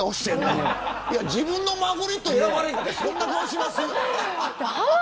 自分のマグリット選ばれんでそんな顔します。